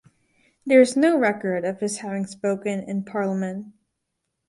There is no record of his having spoken in Parliament.